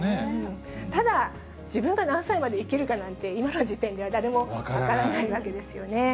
ただ、自分が何歳まで生きるかなんて、今の時点では誰も分からないわけですよね。